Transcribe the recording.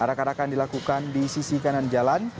arak arakan dilakukan di sisi kanan jalan